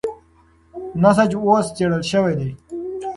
نسج اوس څېړل شوی دی.